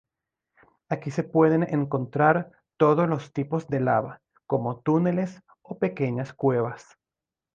Aquí se pueden encontrar todos los tipos de lava, como túneles o pequeñas cuevas.